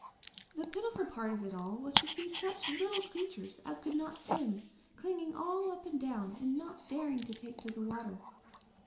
The pitiful part of it all was to see such little creatures as could not swim clinging all up and down and not daring to take to the water.